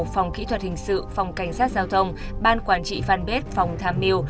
phòng kỹ thuật hình sự phòng cảnh sát giao thông ban quản trị phan bết phòng tham miêu